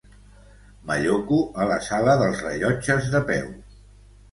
M'alloco a la sala dels rellotges de peu.